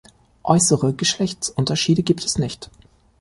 Äußere Geschlechtsunterschiede gibt es nicht.